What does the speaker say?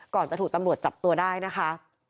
ก่อนจะถูกตำรวจจับตัวได้นะคะ